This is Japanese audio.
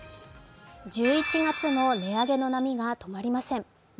１１月も値上げの波が泊まりません。